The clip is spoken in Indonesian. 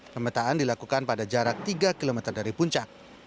pemetaan dilakukan pada jarak tiga km dari puncak